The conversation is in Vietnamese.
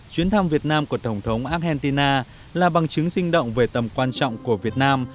chuyến thăm việt nam của tổng thống argentina là bằng chứng sinh động về tầm quan trọng của việt nam